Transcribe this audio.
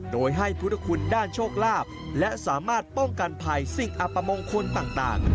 โดยให้พุทธคุณด้านโชคลาภและสามารถป้องกันภัยสิ่งอัปมงคลต่าง